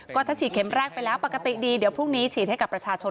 ก็ถ้าฉีดเข็มแรกไปแล้วปกติดีเดี๋ยวพรุ่งนี้ฉีดให้กับประชาชน